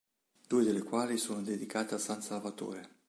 Due delle quali sono dedicate a San Salvatore.